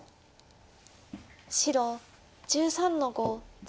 白１３の五ツギ。